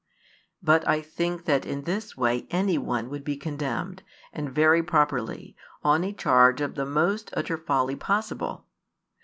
But I think that in this way any one would be condemned, and very properly, on a charge of the most utter folly possible.